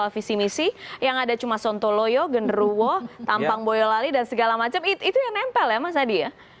visi misi yang ada cuma sontoloyo genruwo tampang boyolali dan segala macam itu yang nempel ya mas adi ya